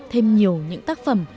thêm nhiều những tác phẩm